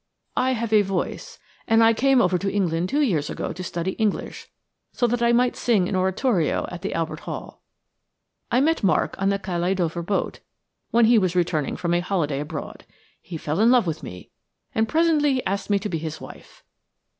I have a voice, and I came over to England two years ago to study English, so that I might sing in oratorio at the Albert Hall. I met Mark on the Calais Dover boat, when he was returning from a holiday abroad. He fell in love with me, and presently he asked me to be his wife.